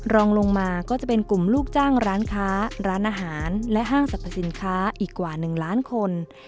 รองลงมาก็จะเป็นกลุ่มลูกจ้างร้านค้าร้านอาหารและห้างสรรพสินค้าอีกกว่า๑ล้านคน